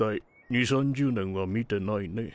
２０３０年は見てないね。